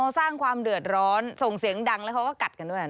สร้างความเดือดร้อนส่งเสียงดังแล้วเขาก็กัดกันด้วย